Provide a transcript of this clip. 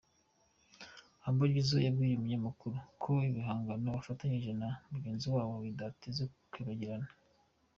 Humble Jizzo yabwiye Umunyamakuru ko ibihangano bafatanyije na mugenzi wabo bidateze kwibagirana